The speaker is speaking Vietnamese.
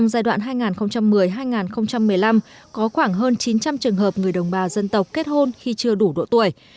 trong giai đoạn hai nghìn một mươi hai nghìn một mươi năm có khoảng hơn chín trăm linh trường hợp người đồng bào dân tộc kết hôn khi chưa đủ độ tuổi